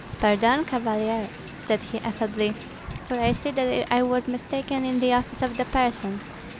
"Pardon, Cavalier," said he, affably, "for I see that I was mistaken in the office of the person.